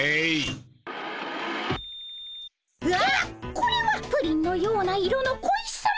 これはプリンのような色の小石さま！